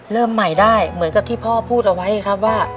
เริ่มใหม่ได้เหมือนกับที่พ่อพูดเอาไว้ครับว่า